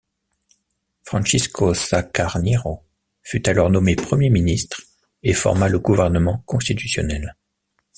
Francisco Sá Carneiro fut alors nommé Premier ministre et forma le gouvernement constitutionnel.